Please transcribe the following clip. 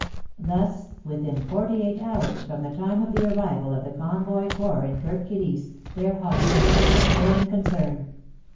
Thus, within forty eight ii6 WAR AND WOMEN hours from the time of the arrival of the Convoy Corps in Kirk Kilisse, their hospital was a ''going concern."